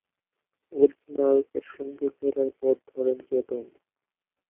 অধিনায়কের সঙ্গে ফেরার পথ ধরেন চেতন।